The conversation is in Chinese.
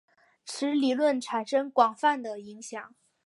此理论产生广泛的影响。